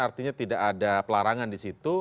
artinya tidak ada pelarangan di situ